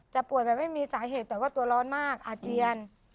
ป่วยแบบไม่มีสาเหตุแต่ว่าตัวร้อนมากอาเจียน